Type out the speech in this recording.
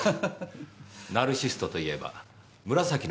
ナルシストといえば『紫の園』の主人公